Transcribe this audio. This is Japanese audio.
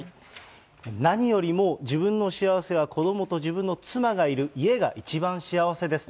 何よりも自分の幸せは子どもと自分の妻がいる家が一番幸せです。